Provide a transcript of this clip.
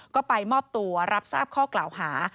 ก็ไปมอบตัวรับทราบข้อกล่าวหา